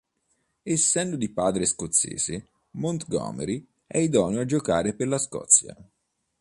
Essendo di padre scozzese, Montgomery è idoneo a giocare per la Scozia.